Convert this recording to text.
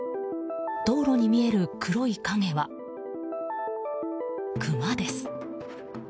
道路に見える黒い影はクマです。